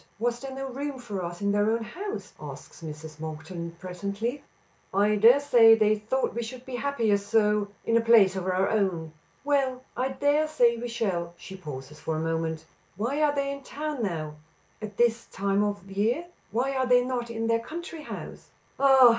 Was there no room for us in their own house?" asks Mrs. Monkton presently. "I dare say they thought we should be happier, so in a place of our own." "Well, I dare say we shall." She pauses for a moment. "Why are they in town now at this time of year? Why are they not in their country house?" "Ah!